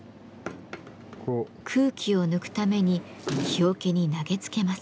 空気を抜くために木桶に投げつけます。